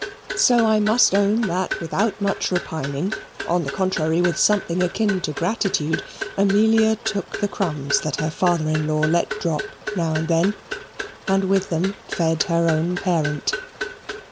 So I must own that, without much repining, on the contrary with something akin to gratitude, Amelia took the crumbs that her father in law let drop now and then, and with them fed her own parent.